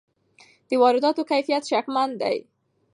د وارداتو کیفیت شکمن دی.